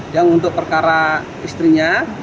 yang untuk perkara istrinya